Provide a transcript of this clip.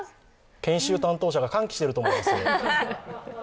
研修担当者が歓喜していると思います。